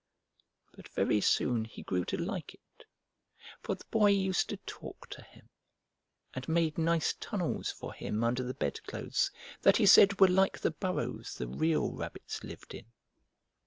But very soon he grew to like it, for the Boy used to talk to him, and made nice tunnels for him under the bedclothes that he said were like the burrows the real rabbits lived in.